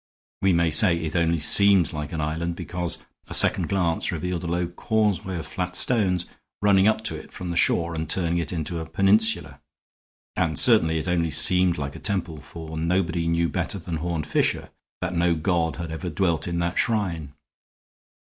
We may say it only seemed like an island, because a second glance revealed a low causeway of flat stones running up to it from the shore and turning it into a peninsula. And certainly it only seemed like a temple, for nobody knew better than Horne Fisher that no god had ever dwelt in that shrine.